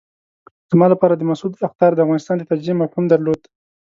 زما لپاره د مسعود اخطار د افغانستان د تجزیې مفهوم درلود.